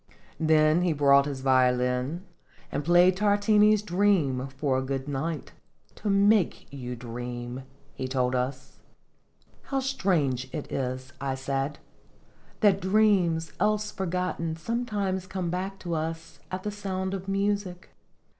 Then he brought his violin, and played Tar tini's "Dream" for a good night "to make you dream," he told us. " How strange it is," I said, " that dreams else forgotten sometimes come back to us at the sound of music."